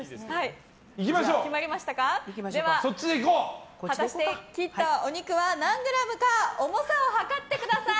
では、果たして切ったお肉は何グラムか重さを量ってください。